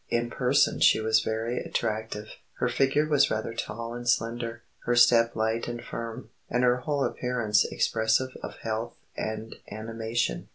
In person she was very attractive; her figure was rather tall and slender, her step light and firm, and her whole appearance expressive of health and animation.